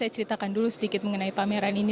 saya ceritakan dulu sedikit mengenai pameran ini